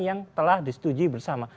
yang telah disetujui bersama